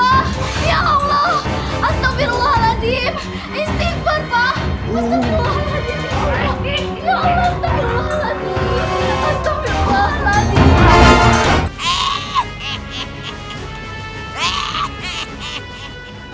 bapak ya allah astagfirullahaladzim istighfar pak astagfirullahaladzim